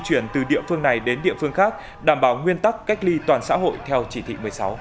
chuyển từ địa phương này đến địa phương khác đảm bảo nguyên tắc cách ly toàn xã hội theo chỉ thị một mươi sáu